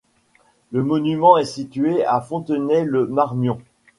Le monument est situé à Fontenay-le-Marmion.